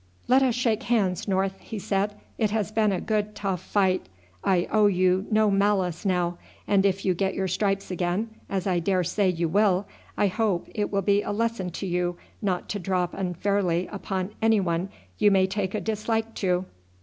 "Let us shake hands, North," he said; "it has been a good tough fight. I owe you no malice now, and if you get your stripes again, as I daresay you will, I hope it will be a lesson to you not to drop unfairly upon anyone you may take a dislike to."